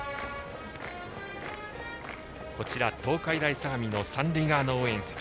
東海大相模の三塁側の応援席。